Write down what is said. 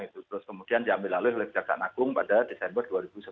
terus kemudian diambil alih oleh kejaksaan agung pada desember dua ribu sebelas